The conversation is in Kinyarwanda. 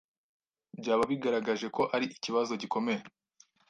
byaba bigaragaje ko ari ikibazo gikomeye.